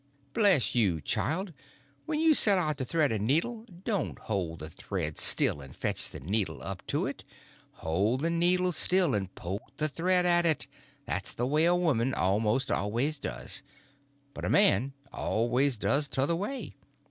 Bless you, child, when you set out to thread a needle don't hold the thread still and fetch the needle up to it; hold the needle still and poke the thread at it; that's the way a woman most always does, but a man always does t'other way.